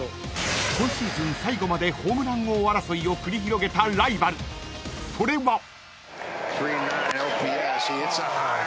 ［今シーズン最後までホームラン王争いを繰り広げたライバルそれは］